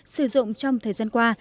sử dụng trong thời gian qua